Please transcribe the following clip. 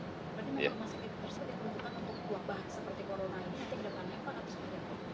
bagaimana masyarakat tersebut untuk mengubah seperti corona ini